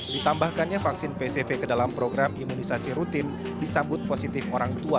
ditambahkannya vaksin pcv ke dalam program imunisasi rutin disambut positif orang tua